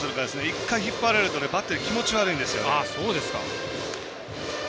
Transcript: １回引っ張られるとバッテリー気持ち悪いんですよね。